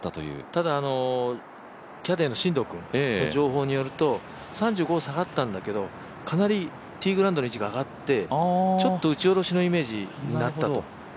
ただ、キャディーの進藤君の情報によると３５下がったんだけど、かなりティーグラウンドの位置が上がってちょっと打ち下ろしのイメージになったと。